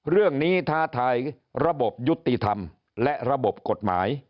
เรื่องนี้ท้าทายระบบยุติธรรมและระบบกฎหมาย